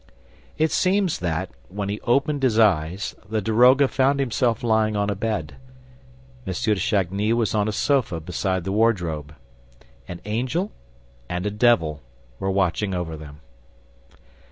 It seems that, when he opened his eyes, the daroga found himself lying on a bed. M. de Chagny was on a sofa, beside the wardrobe. An angel and a devil were watching over them.